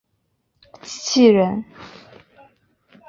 机器人。